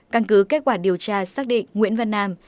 căn cứ kết quả điều tra xác định nguyễn văn nam